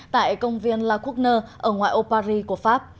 tại công viên la courtenay ở ngoài âu paris của pháp